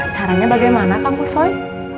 caranya bagaimana kamu soi